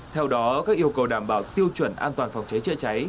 theo đó các yêu cầu đảm bảo tiêu chuẩn an toàn phòng cháy chữa cháy